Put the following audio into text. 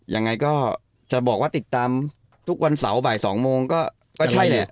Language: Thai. ยังไงก็จะบอกว่าติดตามทุกวันเสาร์บ่าย๒โมงก็ใช่แหละ